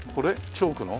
チョークの？